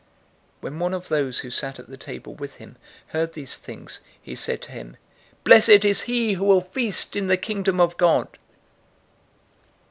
014:015 When one of those who sat at the table with him heard these things, he said to him, "Blessed is he who will feast in the Kingdom of God!"